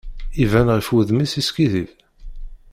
Iban ɣef wudem-is yeskiddib.